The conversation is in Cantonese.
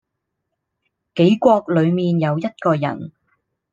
杞國裏面有一個人